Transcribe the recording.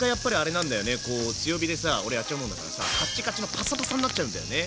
こう強火でさ俺やっちゃうもんだからさカッチカチのパサパサになっちゃうんだよね。